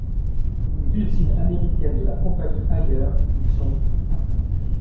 Les usines américaines de la compagnie Haier y sont implantées.